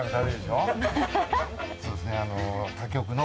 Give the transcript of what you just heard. そうですねあの。